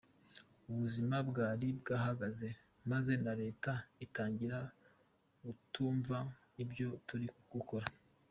Ubuzima bwari bwahagaze maze na Leta itangira kutumva ibyo turi gukora.